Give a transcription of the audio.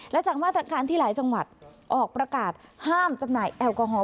และจากมาตรการที่หลายจังหวัดออกประกาศห้ามจำหน่ายแอลกอฮอล